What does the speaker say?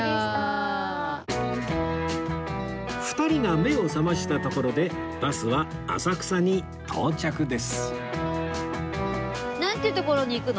２人が目を覚ましたところでバスは浅草に到着ですなんていう所に行くの？